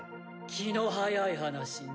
気の早い話ね。